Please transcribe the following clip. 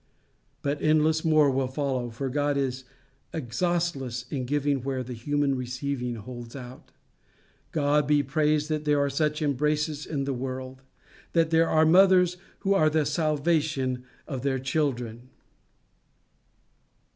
But endless more will follow, for God is exhaustless in giving where the human receiving holds out. God be praised that there are such embraces in the world! that there are mothers who are the salvation of their children!